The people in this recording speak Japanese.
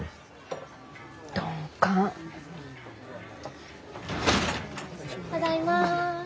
ただいま。